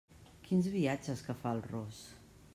Quins viatges que fa el ros!